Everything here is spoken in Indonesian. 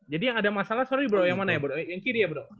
jadi yang ada masalah sorry bro yang mana ya bro yang kiri ya bro